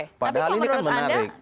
tapi kalau menurut anda